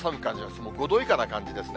もう５度以下な感じですね。